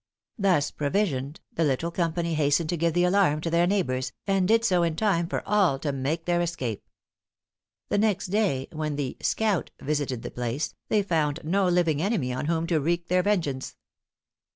Thus provisioned, the little company hastened to give the alarm to their neighbors, and did so in time for all to make their escape. The next day, when the "scout" visited the place, they found no living enemy on whom to wreak their vengeance.